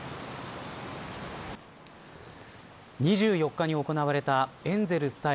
２４日に行われたエンゼルス対